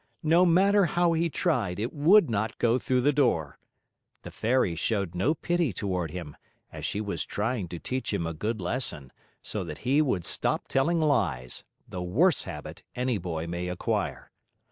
No matter how he tried, it would not go through the door. The Fairy showed no pity toward him, as she was trying to teach him a good lesson, so that he would stop telling lies, the worst habit any boy may acquire.